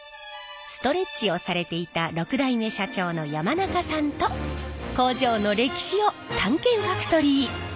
ストレッチをされていた６代目社長の山中さんと工場の歴史を探検ファクトリー！